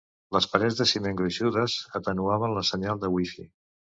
Les parets de ciment gruixudes atenuaven la senyal de wifi.